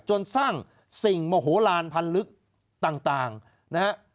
จนสร้างสิ่งโมโหลานพันลึกต่างนะฮะ